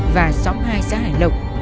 và xóm hai xã hải lộc